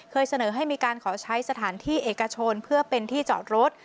เสนอให้มีการขอใช้สถานที่เอกชนเพื่อเป็นที่จอดรถ